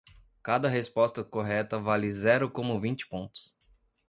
Cada resposta correta vale zero como vinte pontos.